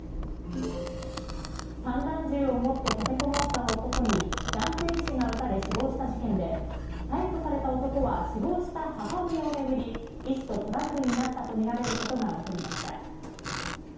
散弾銃を持って立てこもった男に男性医師が撃たれ死亡した事件で逮捕された男は死亡した母親をめぐり医師とトラブルになったとみられることが分かりました。